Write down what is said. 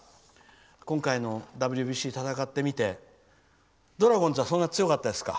今回のＷＢＣ、戦ってみてドラゴンズはそんなに強かったですか？